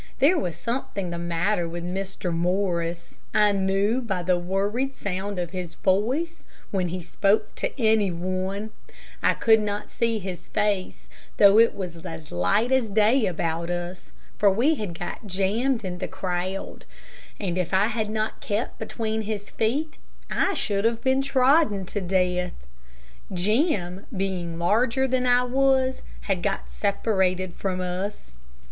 There was something the matter with Mr. Morris I knew by the worried sound of his voice when he spoke to any one, I could not see his face, though it was as light as day about us, for we had got jammed in the crowd, and if I had not kept between his feet, I should have been trodden to death. Jim, being larger than I was, had got separated from us.